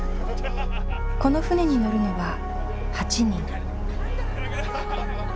この船に乗るのは８人。